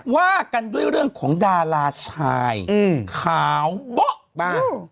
ว่ากันด้วยเรื่องของดาราชายขาวเบาะบ้าง